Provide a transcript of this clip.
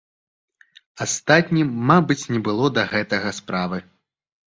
Астатнім, мабыць, не было да гэтага справы.